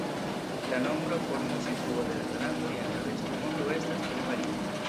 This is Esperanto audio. La nombro, formo, situo de la glandoj en la besta mondo estas tre varia.